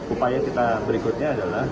upaya kita berikutnya adalah